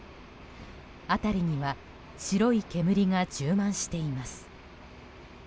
辺りには白い煙が充満しています。